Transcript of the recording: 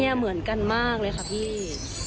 เหมือนกันมากเลยค่ะพี่